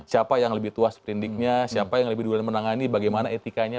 siapa yang lebih tuas pendiknya siapa yang lebih duran menangani bagaimana etikanya